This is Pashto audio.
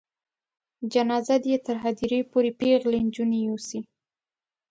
جنازه دې یې تر هدیرې پورې پیغلې نجونې یوسي.